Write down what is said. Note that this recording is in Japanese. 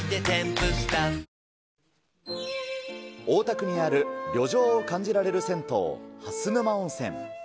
大田区にある旅情を感じられる銭湯、はすぬま温泉。